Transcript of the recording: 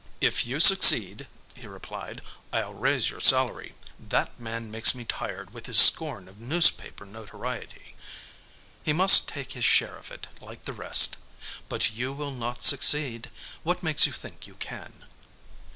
"If you succeed," he replied, "I'll raise your salary. That man makes me tired with his scorn of newspaper notoriety. He must take his share of it, like the rest. But you will not succeed. What makes you think you can?"